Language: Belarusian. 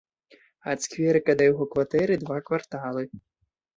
Ад скверыка да яго кватэры два кварталы.